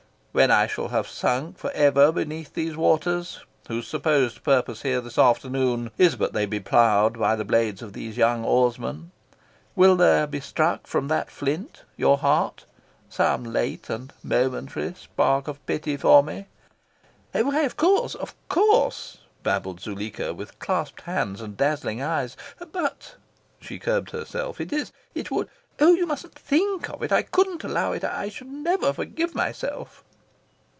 When I shall have sunk for ever beneath these waters whose supposed purpose here this afternoon is but that they be ploughed by the blades of these young oarsmen, will there be struck from that flint, your heart, some late and momentary spark of pity for me?" "Why of course, of COURSE!" babbled Zuleika, with clasped hands and dazzling eyes. "But," she curbed herself, "it is it would oh, you mustn't THINK of it! I couldn't allow it! I I should never forgive myself!"